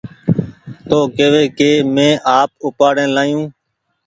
تو ڪيوي ڪي مينٚ آپ اُپآڙين لآيو